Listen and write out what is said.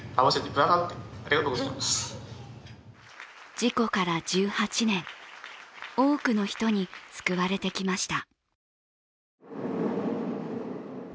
事故から１８年多くの人に救われてきました。